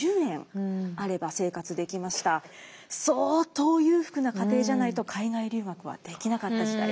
相当裕福な家庭じゃないと海外留学はできなかった時代です。